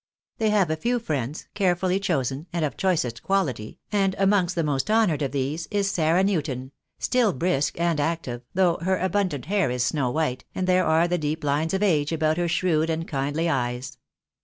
They have a few friends, care fully chosen, and of choicest quality, and amongst the most honoured of these is Sarah Newton, still brisk and active, though her abundant hair is snow white, and there are the deep lines of age about her shrewd and kindly eyes.